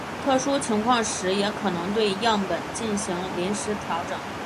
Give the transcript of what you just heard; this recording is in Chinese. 特殊情况时也可能对样本进行临时调整。